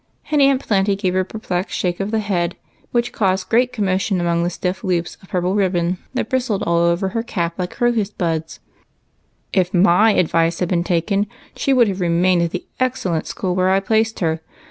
And Aunt Plenty gave a per plexed shake of the head which caused great commo tion among the stiff loops of purple ribbon that bristled all over her cap like crocus buds. "If my advice had been taken, she would have remained at the excellent school where I placed her.